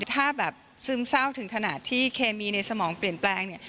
ถ้าซึมเศร้าถึงถนาดที่เคมีในสมองเปลี่ยนแปลง